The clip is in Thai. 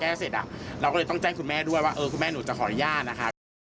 เสร็จอ่ะเราก็เลยต้องแจ้งคุณแม่ด้วยว่าเออคุณแม่หนูจะขออนุญาตนะคะ